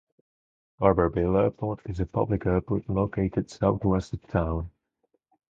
Garberville Airport is a public airport located southwest of town.